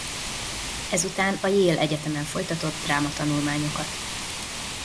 Ezután a Yale Egyetemen folytatott dráma-tanulmányokat.